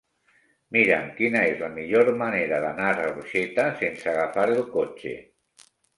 Mira'm quina és la millor manera d'anar a Orxeta sense agafar el cotxe.